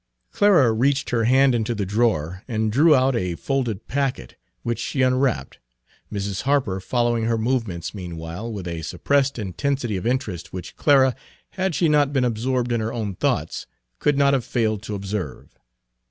Clara reached her hand into the drawer and drew out a folded packet, which she unwrapped, Mrs. Harper following her movements meanwhile with a suppressed intensity of interest which Clara, had she not been absorbed in her own thoughts, could not have failed to observe.